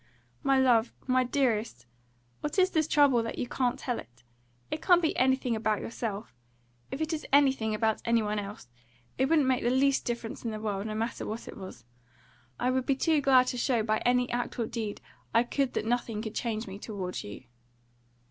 "My love my dearest! What is this trouble, that you can't tell it? It can't be anything about yourself. If it is anything about any one else, it wouldn't make the least difference in the world, no matter what it was. I would be only too glad to show by any act or deed I could that nothing could change me towards you."